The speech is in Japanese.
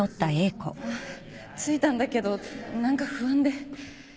着いたんだけど何か不安で。